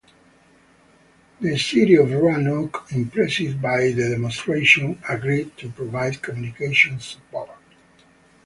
The city of Roanoke, impressed by the demonstration, agreed to provide communication support.